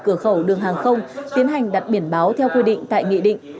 cửa khẩu đường hàng không tiến hành đặt biển báo theo quy định tại nghị định